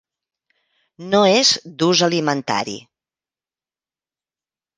No és d'ús alimentari.